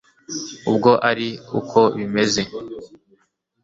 ubwo ari uko bimeze